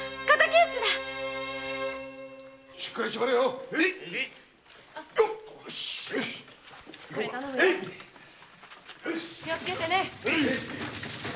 へい気をつけてね。